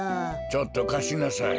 ちょっとかしなさい。